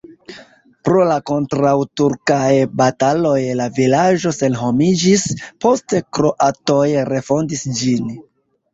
Pro la kontraŭturkaj bataloj la vilaĝo senhomiĝis, poste kroatoj refondis ĝin.